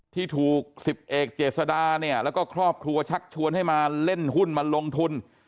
ที่ถูกสิบเอกเจษดาเนี่ยแล้วก็ครอบครัวชักชวนให้มาเล่นหุ้นมาลงทุน